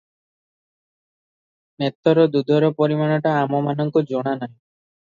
ନେତର ଦୁଧର ପରିମାଣଟା ଆମମାନଙ୍କୁ ଜଣାନାହିଁ ।